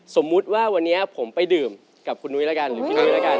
สมมุติว่าวันนี้ผมไปดื่มกับคุณนุ้ยแล้วกันหรือพี่นุ้ยแล้วกัน